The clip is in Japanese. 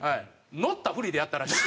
乗ったふりでやったらしい。